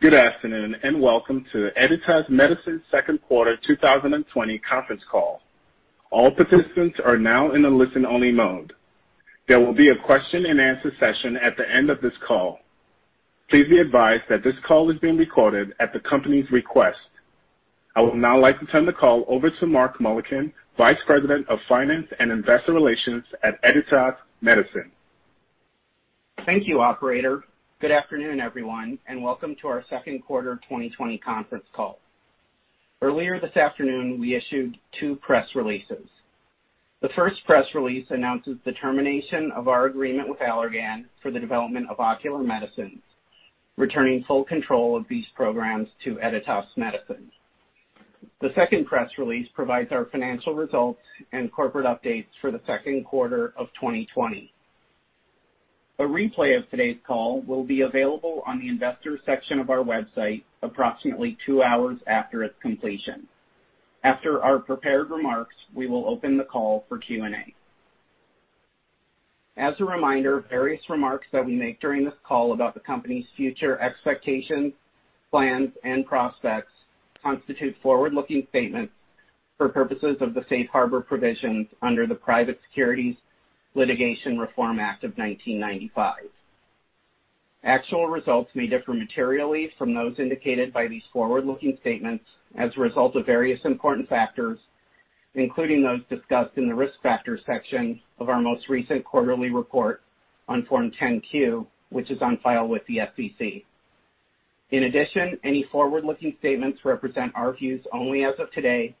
Good afternoon, and welcome to Editas Medicine's second quarter 2020 conference call. All participants are now in a listen-only mode. There will be a question and answer session at the end of this call. Please be advised that this call is being recorded at the company's request. I would now like to turn the call over to Mark Mullikin, Vice President of Finance and Investor Relations at Editas Medicine. Thank you, operator. Good afternoon, everyone. Welcome to our second quarter 2020 conference call. Earlier this afternoon, we issued two press releases. The first press release announces the termination of our agreement with Allergan for the development of ocular medicines, returning full control of these programs to Editas Medicine. The second press release provides our financial results and corporate updates for the second quarter of 2020. A replay of today's call will be available on the investors section of our website approximately two hours after its completion. After our prepared remarks, we will open the call for Q&A. As a reminder, various remarks that we make during this call about the company's future expectations, plans, and prospects constitute forward-looking statements for purposes of the safe harbor provisions under the Private Securities Litigation Reform Act of 1995. Actual results may differ materially from those indicated by these forward-looking statements as a result of various important factors, including those discussed in the Risk Factors section of our most recent quarterly report on Form 10-Q, which is on file with the SEC. In addition, any forward-looking statements represent our views only as of today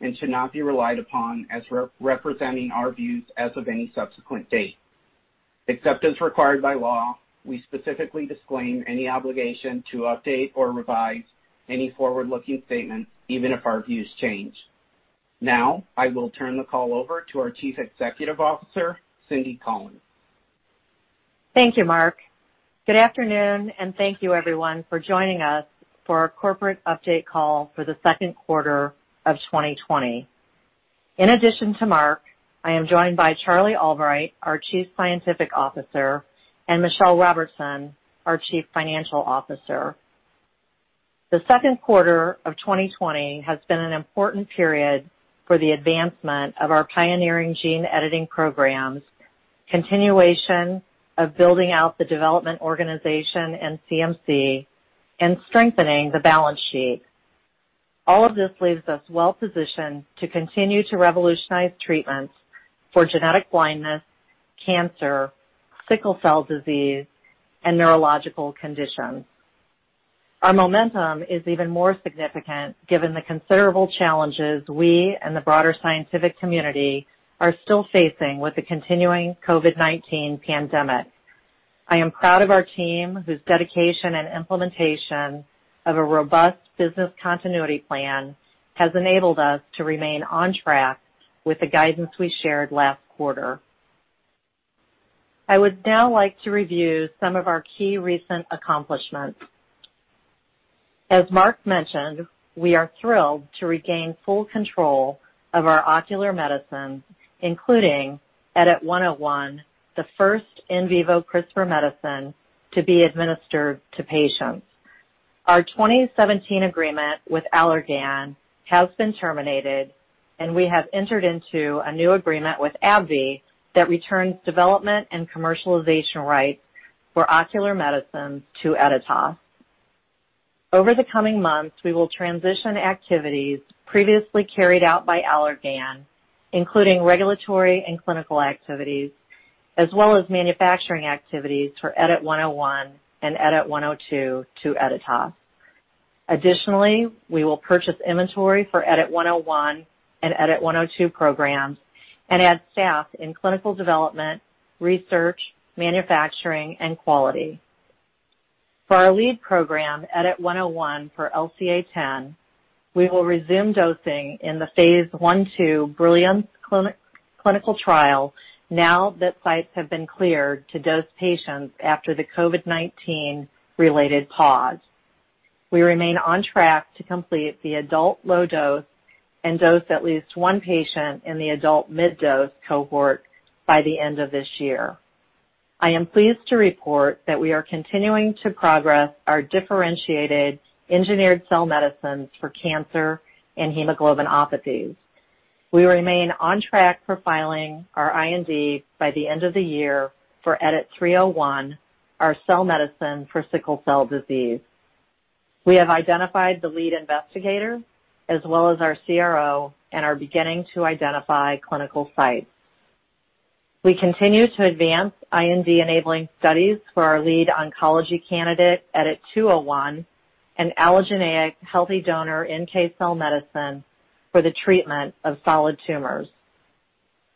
and should not be relied upon as representing our views as of any subsequent date. Except as required by law, we specifically disclaim any obligation to update or revise any forward-looking statements, even if our views change. Now, I will turn the call over to our Chief Executive Officer, Cynthia Collins. Thank you, Mark. Good afternoon, and thank you everyone for joining us for our corporate update call for the second quarter of 2020. In addition to Mark, I am joined by Charlie Albright, our Chief Scientific Officer, and Michelle Robertson, our Chief Financial Officer. The second quarter of 2020 has been an important period for the advancement of our pioneering gene editing programs, continuation of building out the development organization and CMC, and strengthening the balance sheet. All of this leaves us well-positioned to continue to revolutionize treatments for genetic blindness, cancer, sickle cell disease, and neurological conditions. Our momentum is even more significant given the considerable challenges we and the broader scientific community are still facing with the continuing COVID-19 pandemic. I am proud of our team, whose dedication and implementation of a robust business continuity plan has enabled us to remain on track with the guidance we shared last quarter. I would now like to review some of our key recent accomplishments. As Mark mentioned, we are thrilled to regain full control of our ocular medicines, including EDIT-101, the first in vivo CRISPR medicine to be administered to patients. Our 2017 agreement with Allergan has been terminated, and we have entered into a new agreement with AbbVie that returns development and commercialization rights for ocular medicines to Editas. Over the coming months, we will transition activities previously carried out by Allergan, including regulatory and clinical activities, as well as manufacturing activities for EDIT-101 and EDIT-102 to Editas. Additionally, we will purchase inventory for EDIT-101 and EDIT-102 programs and add staff in clinical development, research, manufacturing, and quality. For our lead program, EDIT-101 for LCA10, we will resume dosing in the Phase I/II BRILLIANCE clinical trial now that sites have been cleared to dose patients after the COVID-19-related pause. We remain on track to complete the adult low dose and dose at least one patient in the adult mid-dose cohort by the end of this year. I am pleased to report that we are continuing to progress our differentiated engineered cell medicines for cancer and hemoglobinopathies. We remain on track for filing our IND by the end of the year for EDIT-301, our cell medicine for sickle cell disease. We have identified the lead investigator as well as our CRO and are beginning to identify clinical sites. We continue to advance IND-enabling studies for our lead oncology candidate, EDIT-201, an allogeneic healthy donor NK cell medicine for the treatment of solid tumors.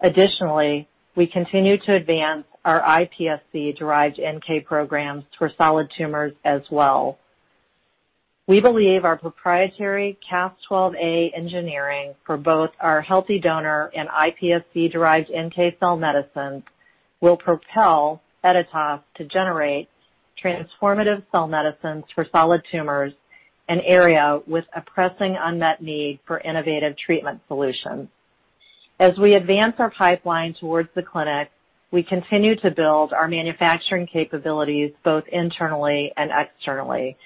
Additionally, we continue to advance our iPSC-derived NK programs for solid tumors as well. We believe our proprietary Cas12a engineering for both our healthy donor and iPSC-derived NK cell medicines will propel Editas to generate transformative cell medicines for solid tumors, an area with a pressing unmet need for innovative treatment solutions. As we advance our pipeline towards the clinic, we continue to build our manufacturing capabilities both internally and externally.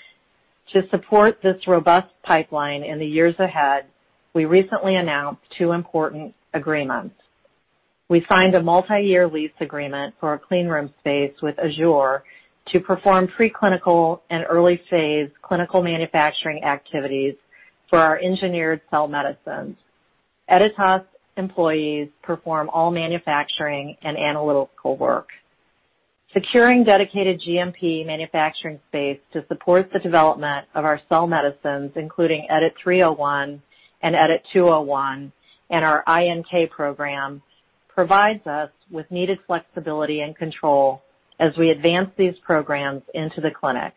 To support this robust pipeline in the years ahead, we recently announced two important agreements. We signed a multi-year lease agreement for a clean room space with Azzur Group to perform preclinical and early-phase clinical manufacturing activities for our engineered cell medicines. Editas employees perform all manufacturing and analytical work. Securing dedicated GMP manufacturing space to support the development of our cell medicines, including EDIT-301 and EDIT-201 and our iNK program, provides us with needed flexibility and control as we advance these programs into the clinic.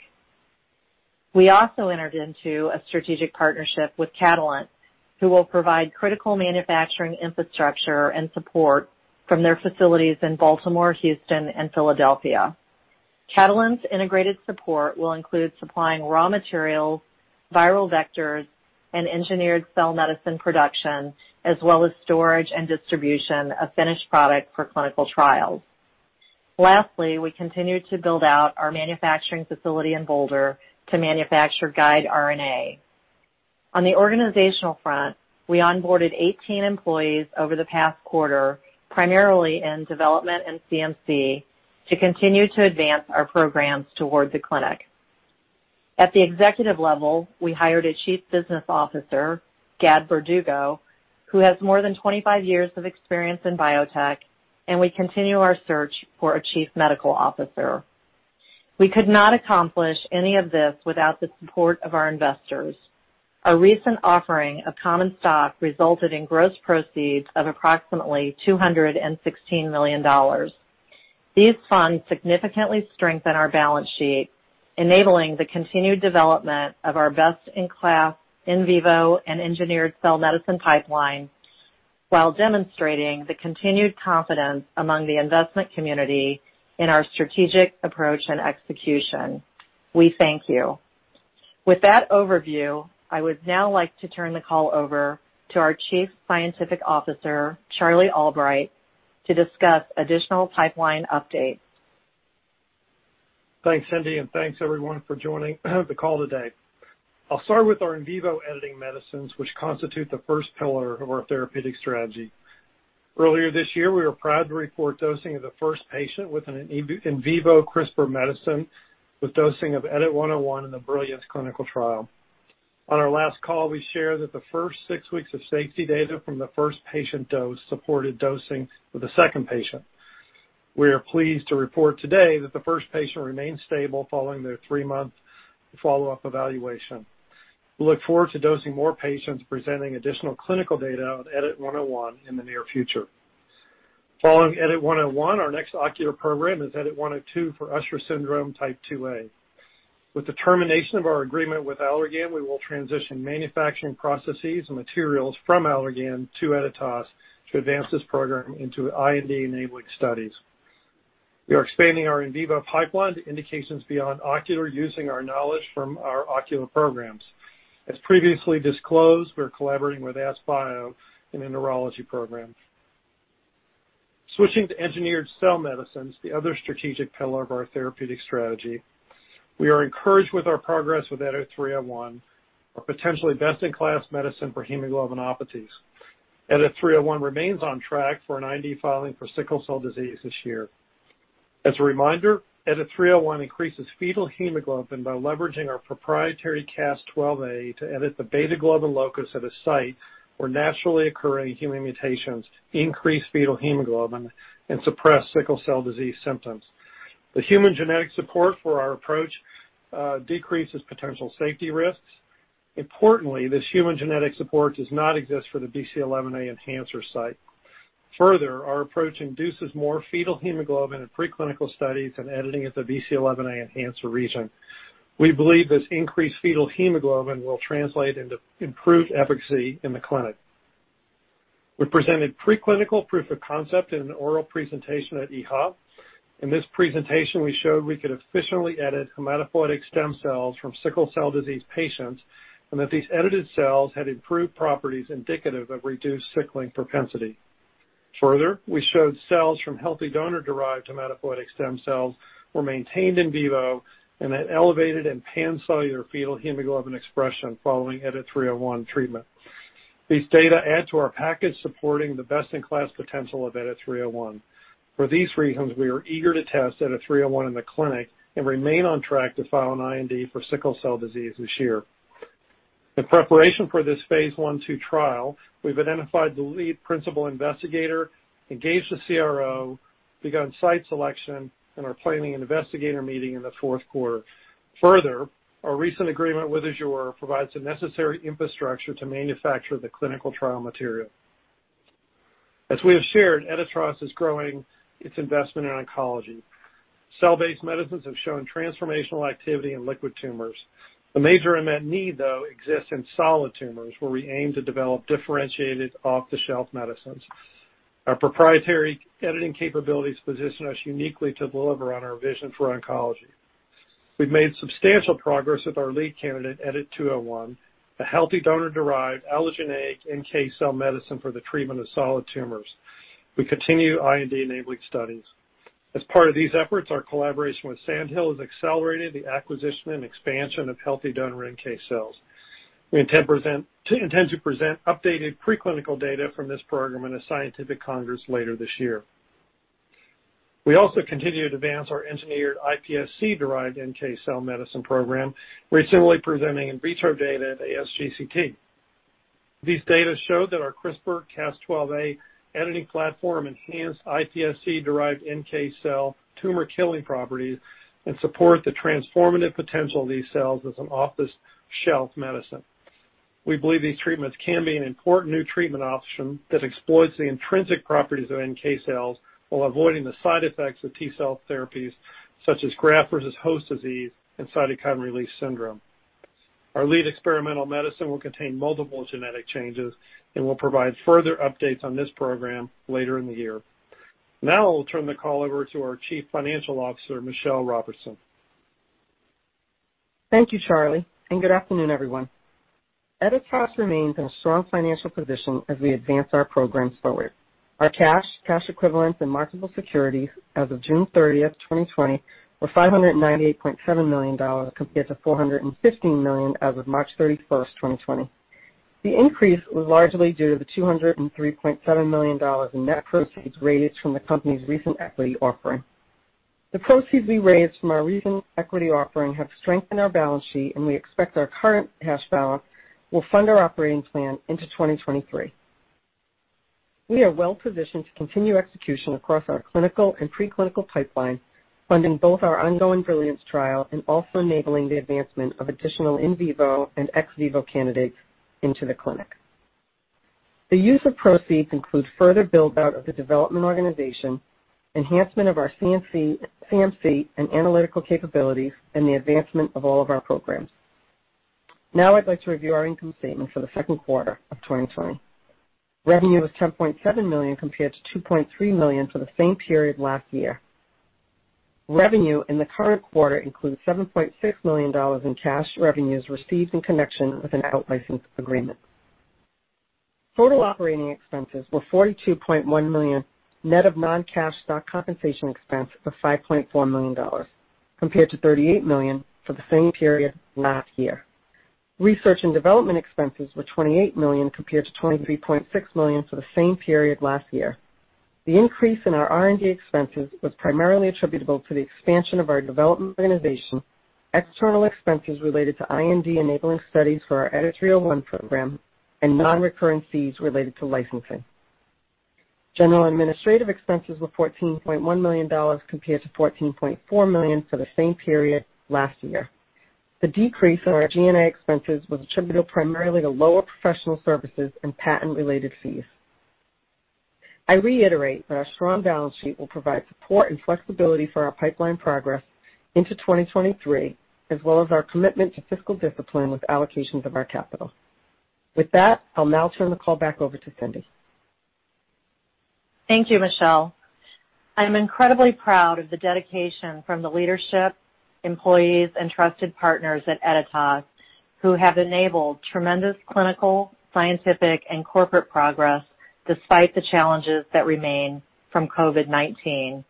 We also entered into a strategic partnership with Catalent, who will provide critical manufacturing infrastructure and support from their facilities in Baltimore, Houston, and Philadelphia. Catalent's integrated support will include supplying raw materials, viral vectors, and engineered cell medicine production, as well as storage and distribution of finished product for clinical trials. Lastly, we continue to build out our manufacturing facility in Boulder to manufacture guide RNA. On the organizational front, we onboarded 18 employees over the past quarter, primarily in development and CMC, to continue to advance our programs toward the clinic. At the executive level, we hired a Chief Business Officer, Gad Berdugo, who has more than 25 years of experience in biotech. We continue our search for a Chief Medical Officer. We could not accomplish any of this without the support of our investors. A recent offering of common stock resulted in gross proceeds of approximately $216 million. These funds significantly strengthen our balance sheet, enabling the continued development of our best-in-class in vivo and engineered cell medicine pipeline, while demonstrating the continued confidence among the investment community in our strategic approach and execution. We thank you. With that overview, I would now like to turn the call over to our Chief Scientific Officer, Charlie Albright, to discuss additional pipeline updates. Thanks, Cindy, thanks, everyone, for joining the call today. I'll start with our in vivo editing medicines, which constitute the first pillar of our therapeutic strategy. Earlier this year, we were proud to report dosing of the first patient with an in vivo CRISPR medicine with dosing of EDIT-101 in the BRILLIANCE clinical trial. On our last call, we shared that the first six weeks of safety data from the first patient dose supported dosing for the second patient. We are pleased to report today that the first patient remains stable following their three-month follow-up evaluation. We look forward to dosing more patients presenting additional clinical data on EDIT-101 in the near future. Following EDIT-101, our next ocular program is EDIT-102 for Usher syndrome type 2A. With the termination of our agreement with Allergan, we will transition manufacturing processes and materials from Allergan to Editas to advance this program into IND-enabling studies. We are expanding our in vivo pipeline to indications beyond ocular, using our knowledge from our ocular programs. As previously disclosed, we're collaborating with AskBio in a neurology program. Switching to engineered cell medicines, the other strategic pillar of our therapeutic strategy, we are encouraged with our progress with EDIT-301, a potentially best-in-class medicine for hemoglobinopathies. EDIT-301 remains on track for an IND filing for sickle cell disease this year. As a reminder, EDIT-301 increases fetal hemoglobin by leveraging our proprietary Cas12a to edit the beta globin locus at a site where naturally occurring human mutations increase fetal hemoglobin and suppress sickle cell disease symptoms. The human genetic support for our approach decreases potential safety risks. Importantly, this human genetic support does not exist for the BCL11A enhancer site. Our approach induces more fetal hemoglobin in preclinical studies than editing at the BCL11A enhancer region. We believe this increased fetal hemoglobin will translate into improved efficacy in the clinic. We presented preclinical proof of concept in an oral presentation at EHA. In this presentation, we showed we could efficiently edit hematopoietic stem cells from sickle cell disease patients, and that these edited cells had improved properties indicative of reduced sickling propensity. We showed cells from healthy donor-derived hematopoietic stem cells were maintained in vivo and at elevated and pan-cellular fetal hemoglobin expression following EDIT-301 treatment. These data add to our package supporting the best-in-class potential of EDIT-301. For these reasons, we are eager to test EDIT-301 in the clinic and remain on track to file an IND for sickle cell disease this year. In preparation for this phase I/II trial, we've identified the lead principal investigator, engaged the CRO, begun site selection, and are planning an investigator meeting in the fourth quarter. Our recent agreement with Azzur provides the necessary infrastructure to manufacture the clinical trial material. As we have shared, Editas is growing its investment in oncology. Cell-based medicines have shown transformational activity in liquid tumors. The major unmet need, though, exists in solid tumors, where we aim to develop differentiated off-the-shelf medicines. Our proprietary editing capabilities position us uniquely to deliver on our vision for oncology. We've made substantial progress with our lead candidate, EDIT-201, a healthy donor-derived allogeneic NK cell medicine for the treatment of solid tumors. We continue IND-enabling studies. As part of these efforts, our collaboration with Sandhill has accelerated the acquisition and expansion of healthy donor NK cells. We intend to present updated preclinical data from this program in a scientific congress later this year. We also continue to advance our engineered iPSC-derived NK cell medicine program, where we're similarly presenting in vitro data at ASGCT. These data show that our CRISPR-Cas12a editing platform enhanced iPSC-derived NK cell tumor-killing properties and support the transformative potential of these cells as an off-the-shelf medicine. We believe these treatments can be an important new treatment option that exploits the intrinsic properties of NK cells while avoiding the side effects of T-cell therapies such as graft versus host disease and cytokine release syndrome. Our lead experimental medicine will contain multiple genetic changes, and we'll provide further updates on this program later in the year. Now I will turn the call over to our Chief Financial Officer, Michelle Robertson. Thank you, Charlie, and good afternoon, everyone. Editas remains in a strong financial position as we advance our programs forward. Our cash equivalents, and marketable securities as of June 30, 2020, were $598.7 million, compared to $415 million as of March 31, 2020. The increase was largely due to the $203.7 million in net proceeds raised from the company's recent equity offering. The proceeds we raised from our recent equity offering have strengthened our balance sheet, and we expect our current cash balance will fund our operating plan into 2023. We are well-positioned to continue execution across our clinical and pre-clinical pipeline, funding both our ongoing BRILLIANCE trial and also enabling the advancement of additional in vivo and ex vivo candidates into the clinic. The use of proceeds include further build-out of the development organization, enhancement of our CMC and analytical capabilities, and the advancement of all of our programs. I'd like to review our income statement for the second quarter of 2020. Revenue was $10.7 million compared to $2.3 million for the same period last year. Revenue in the current quarter includes $7.6 million in cash revenues received in connection with an out-license agreement. Total operating expenses were $42.1 million, net of non-cash stock compensation expense of $5.4 million, compared to $38 million for the same period last year. Research and development expenses were $28 million compared to $23.6 million for the same period last year. The increase in our R&D expenses was primarily attributable to the expansion of our development organization, external expenses related to IND enabling studies for our EDIT-301 program, and non-recurring fees related to licensing. General administrative expenses were $14.1 million compared to $14.4 million for the same period last year. The decrease in our G&A expenses was attributable primarily to lower professional services and patent-related fees. I reiterate that our strong balance sheet will provide support and flexibility for our pipeline progress into 2023, as well as our commitment to fiscal discipline with allocations of our capital. With that, I'll now turn the call back over to Cindy. Thank you, Michelle. I'm incredibly proud of the dedication from the leadership, employees and trusted partners at Editas, who have enabled tremendous clinical, scientific, and corporate progress despite the challenges that remain from COVID-19.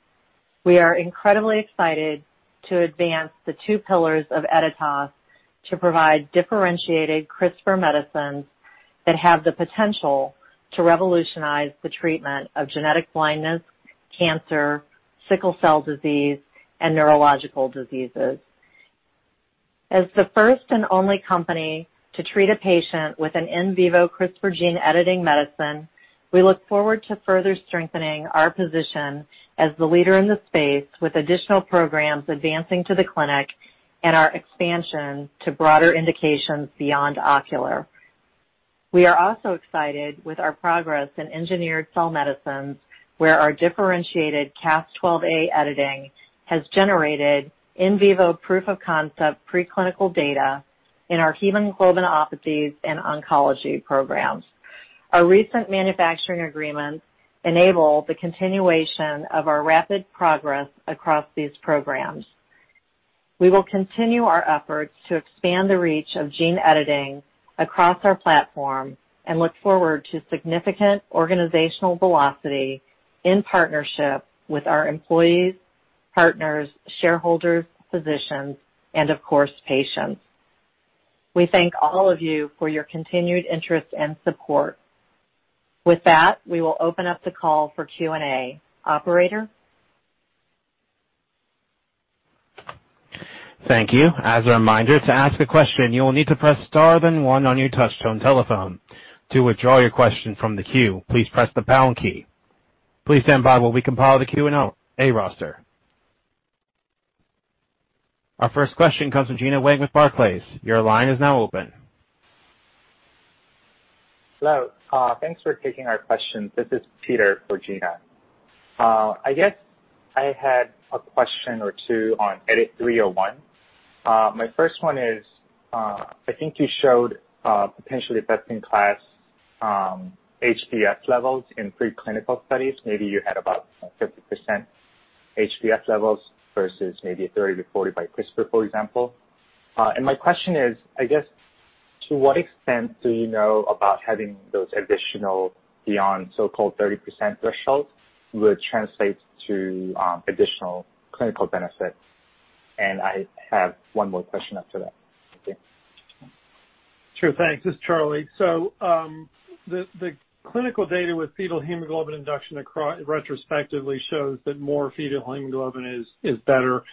We are incredibly excited to advance the two pillars of Editas to provide differentiated CRISPR medicines that have the potential to revolutionize the treatment of genetic blindness, cancer, sickle cell disease, and neurological diseases. As the first and only company to treat a patient with an in vivo CRISPR gene editing medicine, we look forward to further strengthening our position as the leader in the space with additional programs advancing to the clinic and our expansion to broader indications beyond ocular. We are also excited with our progress in engineered cell medicines, where our differentiated Cas12a editing has generated in vivo proof of concept preclinical data in our hemoglobinopathies and oncology programs. Our recent manufacturing agreements enable the continuation of our rapid progress across these programs. We will continue our efforts to expand the reach of gene editing across our platform and look forward to significant organizational velocity in partnership with our employees, partners, shareholders, physicians, and of course, patients. We thank all of you for your continued interest and support. With that, we will open up the call for Q&A. Operator? Thank you. As a reminder, to ask a question, you will need to press star then one on your touchtone telephone. To withdraw your question from the queue, please press the pound key. Please stand by while we compile the Q&A roster. Our first question comes from Gena Wang with Barclays. Your line is now open. Hello. Thanks for taking our question. This is Peter for Gena. I guess I had a question or two on EDIT-301. My first one is, I think you showed potentially best-in-class HbF levels in preclinical studies, maybe you had about 50% HbF levels versus maybe 30%-40% by CRISPR, for example. My question is, I guess, to what extent do you know about having those additional beyond so-called 30% threshold would translate to additional clinical benefit? I have one more question after that. Thank you. Sure, thanks. This is Charlie Albright. The clinical data with fetal hemoglobin induction retrospectively shows that more fetal hemoglobin is better.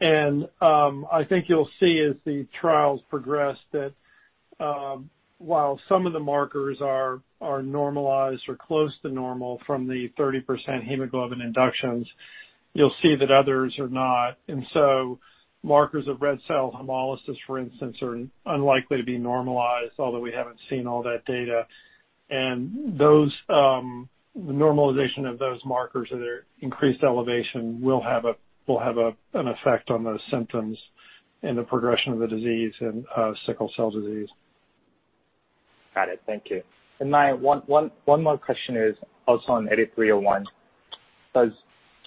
I think you'll see as the trials progress that while some of the markers are normalized or close to normal from the 30% hemoglobin inductions, you'll see that others are not. Markers of red cell hemolysis, for instance, are unlikely to be normalized, although we haven't seen all that data. The normalization of those markers or their increased elevation will have an effect on the symptoms and the progression of the disease in sickle cell disease. Got it. Thank you. My one more question is also on EDIT-301.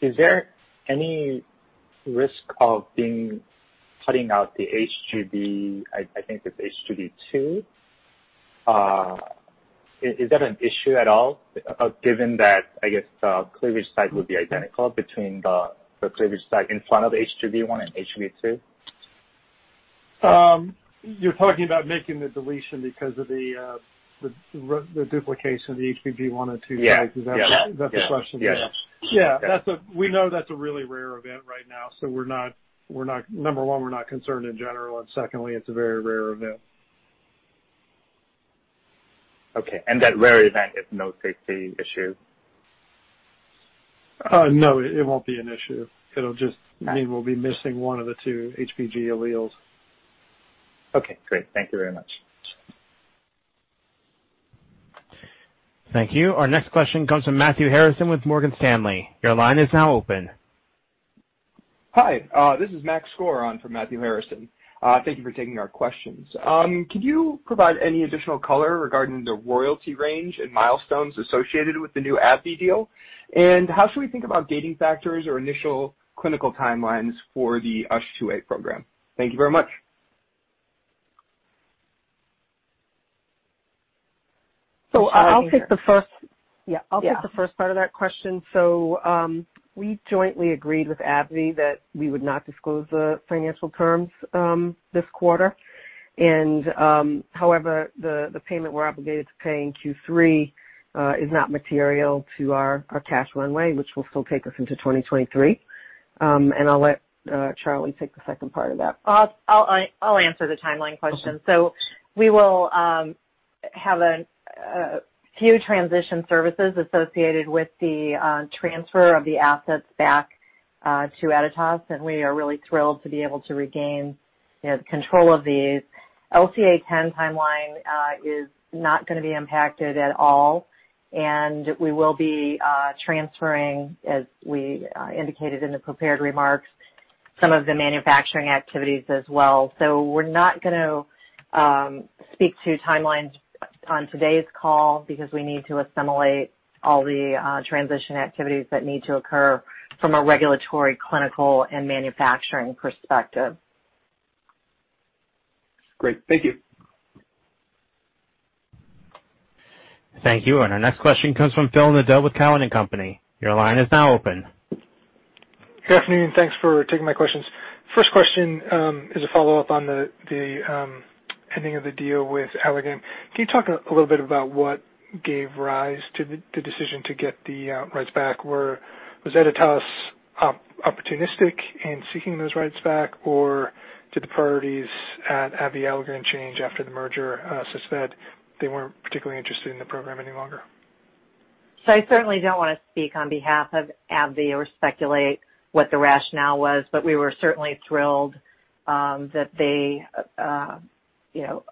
Is there any risk of cutting out the HBG, I think it's HBG2? Is that an issue at all, given that, I guess, the cleavage site would be identical between the cleavage site in front of HBG1 and HBG2? You're talking about making the deletion because of the duplication of the HBG1 and 2. Yeah Is that the question? Yes. Yeah. We know that's a really rare event right now. Number one, we're not concerned in general, and secondly, it's a very rare event. Okay, that rare event is no safety issue? No, it won't be an issue. It'll just mean we'll be missing one of the two HBG alleles. Okay, great. Thank you very much. Thank you. Our next question comes from Matthew Harrison with Morgan Stanley. Hi. This is Max Skor on Matthew Harrison. Thank you for taking our questions. Could you provide any additional color regarding the royalty range and milestones associated with the new AbbVie deal? How should we think about gating factors or initial clinical timelines for the USH2A program? Thank you very much. I'll take the first part of that question. We jointly agreed with AbbVie that we would not disclose the financial terms this quarter. However, the payment we're obligated to pay in Q3 is not material to our cash runway, which will still take us into 2023. I'll let Charlie take the second part of that. I'll answer the timeline question. Okay. We will have a few transition services associated with the transfer of the assets back to Editas, and we are really thrilled to be able to regain control of these. LCA10 timeline is not going to be impacted at all, and we will be transferring, as we indicated in the prepared remarks, some of the manufacturing activities as well. We're not going to speak to timelines on today's call because we need to assimilate all the transition activities that need to occur from a regulatory, clinical, and manufacturing perspective. Great. Thank you. Thank you. Our next question comes from Phil Nadeau with Cowen and Company. Your line is now open. Good afternoon. Thanks for taking my questions. First question is a follow-up on the ending of the deal with Allergan. Can you talk a little bit about what gave rise to the decision to get the rights back? Was Editas opportunistic in seeking those rights back, or did the priorities at AbbVie Allergan change after the merger such that they weren't particularly interested in the program any longer? I certainly don't want to speak on behalf of AbbVie or speculate what the rationale was, but we were certainly thrilled that they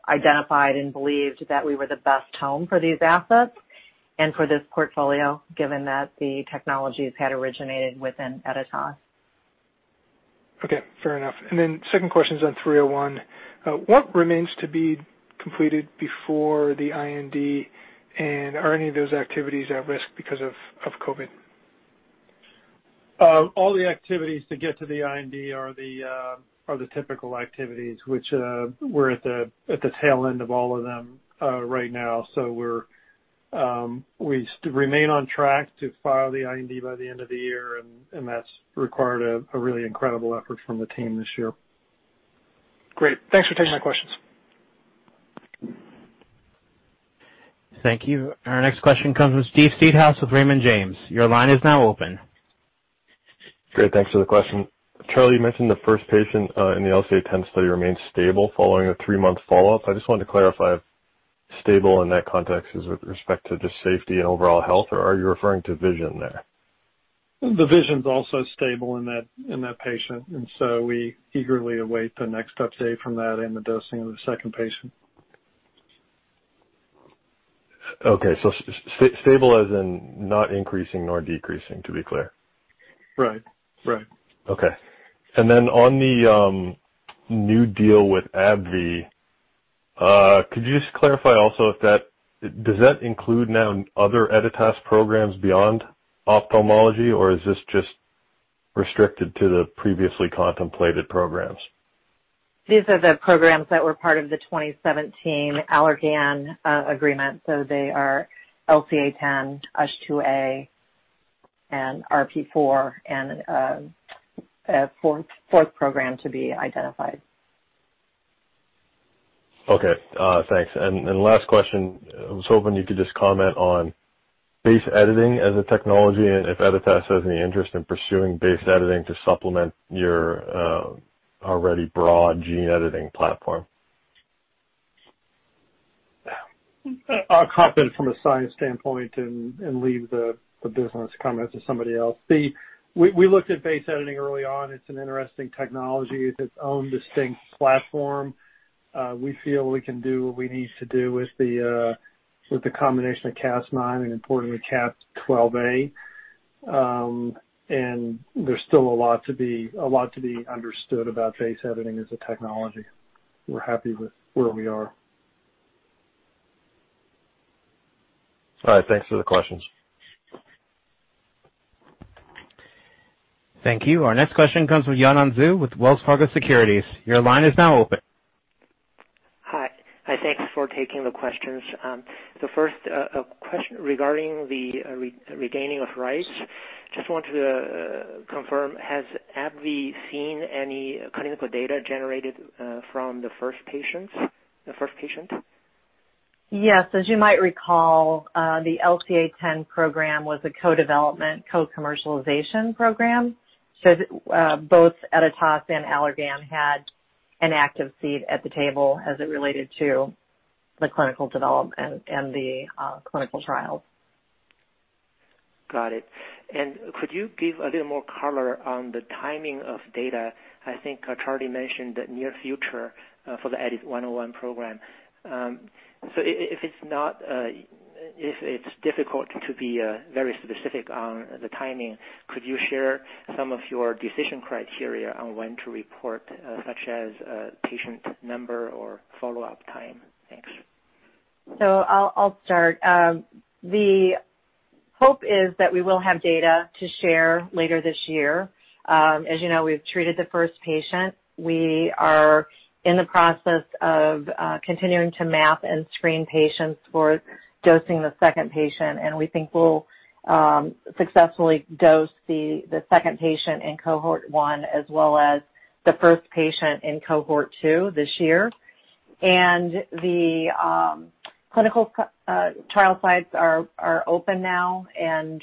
identified and believed that we were the best home for these assets and for this portfolio, given that the technologies had originated within Editas. Okay. Fair enough. Second question is on EDIT-301. What remains to be completed before the IND, and are any of those activities at risk because of COVID? All the activities to get to the IND are the typical activities, which we're at the tail end of all of them right now. We remain on track to file the IND by the end of the year, and that's required a really incredible effort from the team this year. Great. Thanks for taking my questions. Thank you. Our next question comes from Steve Seedhouse with Raymond James. Your line is now open. Great. Thanks for the question. Charlie, you mentioned the first patient in the LCA10 study remains stable following a three-month follow-up. I just wanted to clarify if stable in that context is with respect to just safety and overall health, or are you referring to vision there? The vision's also stable in that patient, and so we eagerly await the next update from that and the dosing of the second patient. Okay, stable as in not increasing nor decreasing, to be clear? Right. Okay. On the new deal with AbbVie, could you just clarify also, does that include now other Editas programs beyond ophthalmology, or is this just restricted to the previously contemplated programs? These are the programs that were part of the 2017 Allergan agreement. They are LCA10, USH2A, and RP4, and a fourth program to be identified. Okay, thanks. Last question. I was hoping you could just comment on base editing as a technology and if Editas has any interest in pursuing base editing to supplement your already broad gene editing platform. I'll comment from a science standpoint and leave the business comment to somebody else. We looked at base editing early on. It's an interesting technology with its own distinct platform. We feel we can do what we need to do with the combination of Cas9 and, importantly, Cas12a. There's still a lot to be understood about base editing as a technology. We're happy with where we are. All right. Thanks for the questions. Thank you. Our next question comes from Yanan Zhu with Wells Fargo Securities. Your line is now open. Hi. Thanks for taking the questions. First, a question regarding the regaining of rights. Just wanted to confirm, has AbbVie seen any clinical data generated from the first patients? Yes. As you might recall, the LCA10 program was a co-development, co-commercialization program. Both Editas and Allergan had an active seat at the table as it related to the clinical development and the clinical trials. Got it. Could you give a little more color on the timing of data? I think Charlie mentioned near future for the EDIT-101 program. If it's difficult to be very specific on the timing, could you share some of your decision criteria on when to report, such as patient number or follow-up time? Thanks. I'll start. The hope is that we will have data to share later this year. As you know, we've treated the first patient. We are in the process of continuing to map and screen patients for dosing the second patient, and we think we'll successfully dose the second patient in cohort 1, as well as the first patient in cohort 2 this year. The clinical trial sites are open now, and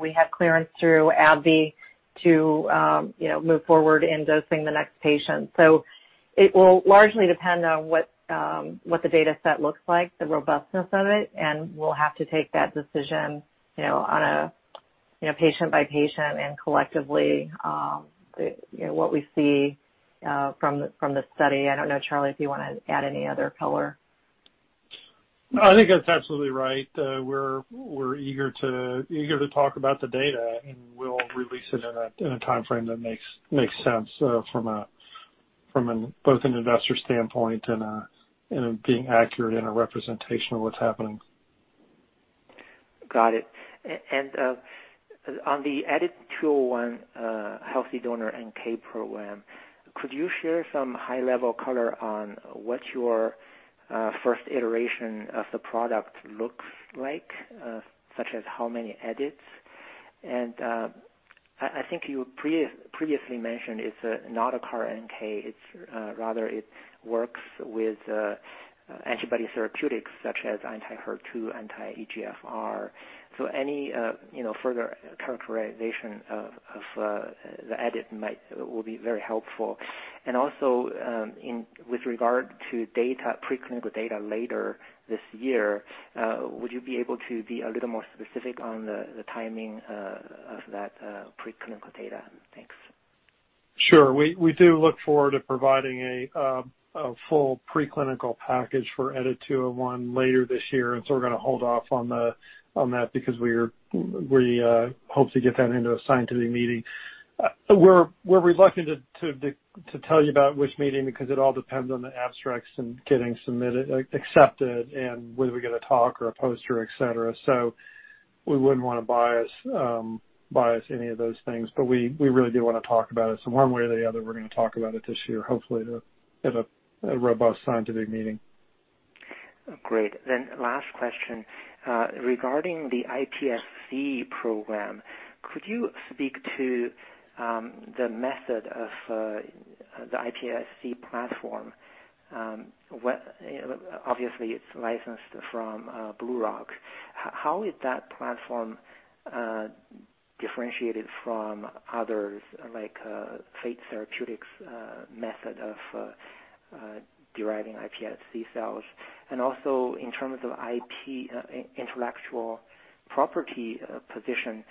we have clearance through AbbVie to move forward in dosing the next patient. It will largely depend on what the data set looks like, the robustness of it, and we'll have to take that decision patient by patient and collectively, what we see from the study. I don't know, Charlie, if you want to add any other color. I think that's absolutely right. We're eager to talk about the data, and we'll release it in a timeframe that makes sense from both an investor standpoint and being accurate in a representation of what's happening. Got it. On the EDIT-201 healthy donor NK program, could you share some high-level color on what your first iteration of the product looks like, such as how many edits? I think you previously mentioned it's not a CAR NK, rather it works with antibody therapeutics such as anti-HER2, anti-EGFR. Any further characterization of the edit will be very helpful. With regard to preclinical data later this year, would you be able to be a little more specific on the timing of that preclinical data? Thanks. Sure. We do look forward to providing a full preclinical package for EDIT-201 later this year, and so we're going to hold off on that because we hope to get that into a scientific meeting. We're reluctant to tell you about which meeting, because it all depends on the abstracts and getting accepted and whether we get a talk or a poster, et cetera. We wouldn't want to bias any of those things, but we really do want to talk about it. One way or the other, we're going to talk about it this year, hopefully at a robust scientific meeting. Great. Last question. Regarding the iPSC program, could you speak to the method of the iPSC platform? Obviously, it's licensed from BlueRock Therapeutics. How is that platform differentiated from others, like Fate Therapeutics' method of deriving iPSC cells? Also, in terms of intellectual property position,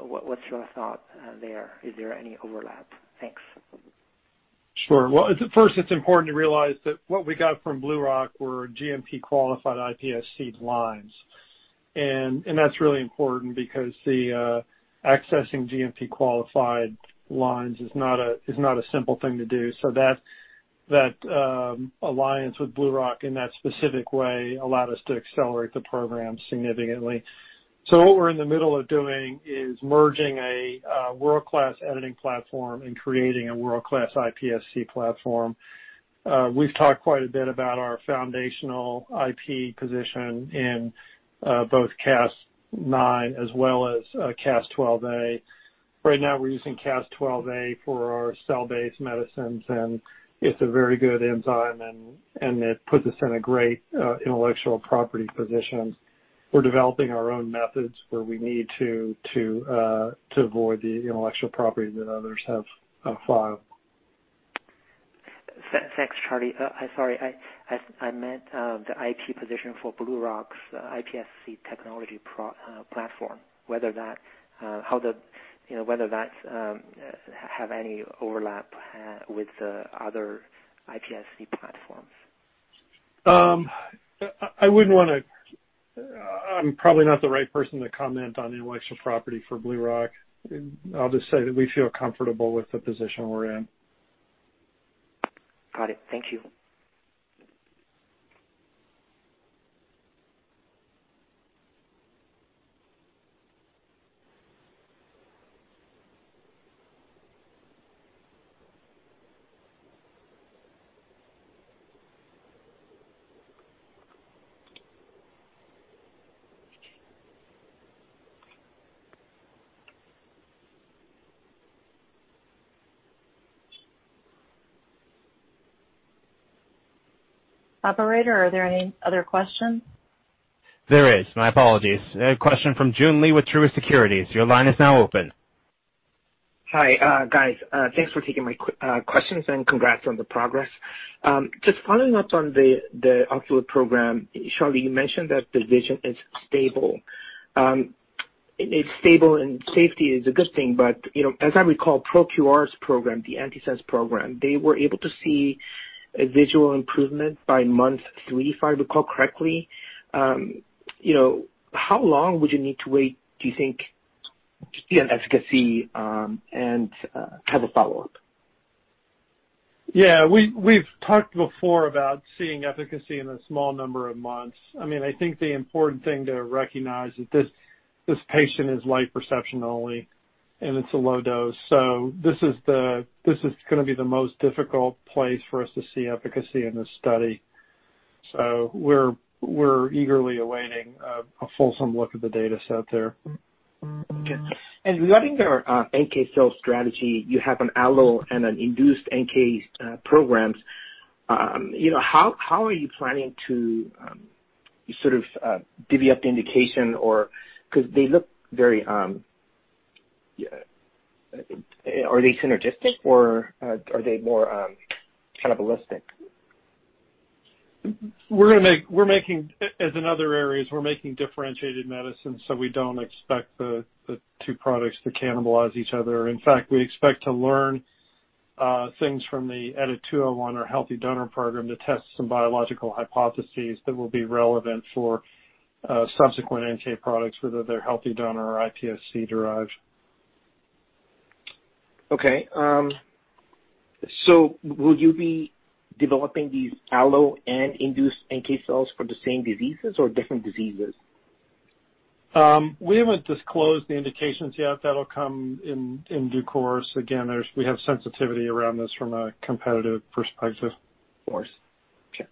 what's your thought there? Is there any overlap? Thanks. First it's important to realize that what we got from BlueRock Therapeutics were GMP-qualified iPSC lines. That's really important because accessing GMP-qualified lines is not a simple thing to do. What we're in the middle of doing is merging a world-class editing platform and creating a world-class iPSC platform. We've talked quite a bit about our foundational IP position in both Cas9 as well as Cas12a. Right now, we're using Cas12a for our cell-based medicines, and it's a very good enzyme, and it puts us in a great intellectual property position. We're developing our own methods where we need to avoid the intellectual property that others have filed. Thanks, Charlie. Sorry, I meant the IP position for BlueRock Therapeutics's iPSC technology platform, whether that have any overlap with the other iPSC platforms. I'm probably not the right person to comment on intellectual property for BlueRock Therapeutics. I'll just say that we feel comfortable with the position we're in. Got it. Thank you. Operator, are there any other questions? There is. My apologies. A question from Joon Lee with Truist Securities. Your line is now open. Hi, guys. Thanks for taking my questions, and congrats on the progress. Just following up on the ocular program, Charlie, you mentioned that the vision is stable. It's stable and safety is a good thing, but as I recall, ProQR's program, the antisense program, they were able to see a visual improvement by month 3, if I recall correctly. How long would you need to wait, do you think, to see an efficacy? I have a follow-up. Yeah, we've talked before about seeing efficacy in a small number of months. I think the important thing to recognize is this patient is light perception only, and it's a low dose. This is going to be the most difficult place for us to see efficacy in this study. We're eagerly awaiting a fulsome look at the data set there. Okay. Regarding your NK cell strategy, you have an allo and an induced NK programs. How are you planning to divvy up the indication? Are they synergistic or are they more cannibalistic? As in other areas, we're making differentiated medicines, so we don't expect the two products to cannibalize each other. We expect to learn things from the EDIT-201 or healthy donor program to test some biological hypotheses that will be relevant for subsequent NK products, whether they're healthy donor or iPSC derived. Okay. Will you be developing these allo and induced NK cells for the same diseases or different diseases? We haven't disclosed the indications yet. That'll come in due course. Again, we have sensitivity around this from a competitive perspective. Of course. Sure.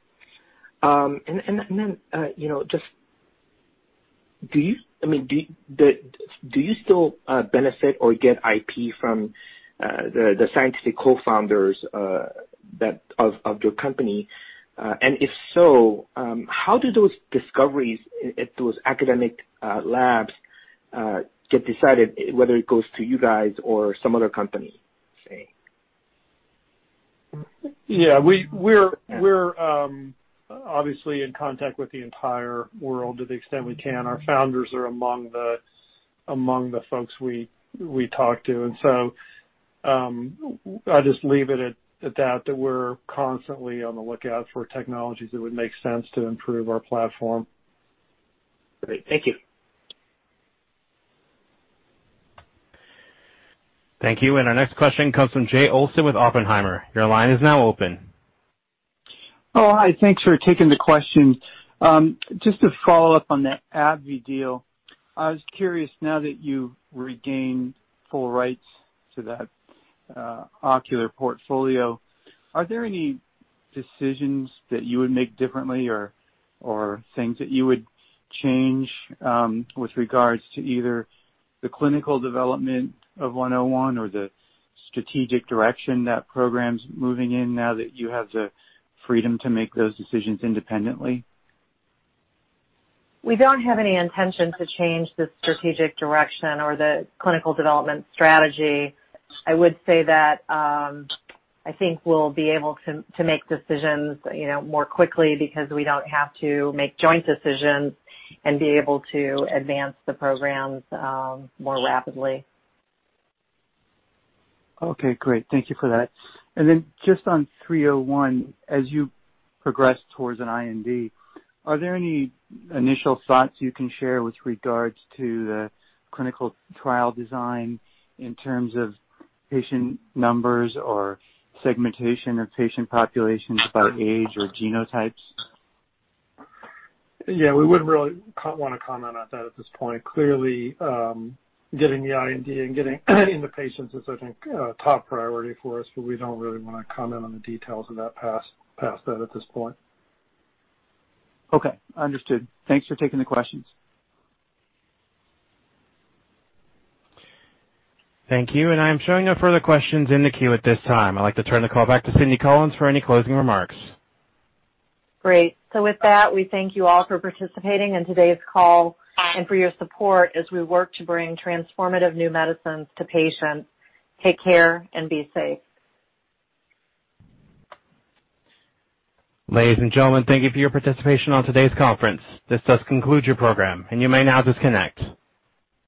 Do you still benefit or get IP from the scientific co-founders of your company? If so, how do those discoveries at those academic labs get decided whether it goes to you guys or some other company? Yeah. We're obviously in contact with the entire world to the extent we can. Our founders are among the folks we talk to. I'll just leave it at that we're constantly on the lookout for technologies that would make sense to improve our platform. Great. Thank you. Thank you. Our next question comes from Jay Olson with Oppenheimer. Your line is now open. Oh, hi. Thanks for taking the question. Just to follow up on that AbbVie deal, I was curious, now that you've regained full rights to that ocular portfolio, are there any decisions that you would make differently or things that you would change with regards to either the clinical development of 101 or the strategic direction that program's moving in now that you have the freedom to make those decisions independently? We don't have any intention to change the strategic direction or the clinical development strategy. I would say that I think we'll be able to make decisions more quickly because we don't have to make joint decisions and be able to advance the programs more rapidly. Okay, great. Thank you for that. Just on 301, as you progress towards an IND, are there any initial thoughts you can share with regards to the clinical trial design in terms of patient numbers or segmentation of patient populations by age or genotypes? Yeah, we wouldn't really want to comment on that at this point. Clearly, getting the IND and getting the patients is, I think, a top priority for us. We don't really want to comment on the details of that past that at this point. Okay, understood. Thanks for taking the questions. Thank you, and I am showing no further questions in the queue at this time. I'd like to turn the call back to Cindy Collins for any closing remarks. Great. With that, we thank you all for participating in today's call and for your support as we work to bring transformative new medicines to patients. Take care and be safe. Ladies and gentlemen, thank you for your participation on today's conference. This does conclude your program, and you may now disconnect.